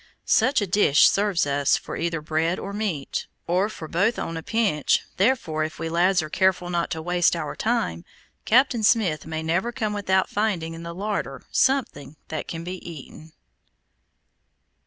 Such a dish serves us for either bread or meat, or for both on a pinch, therefore if we lads are careful not to waste our time, Captain Smith may never come without finding in the larder something that can be eaten.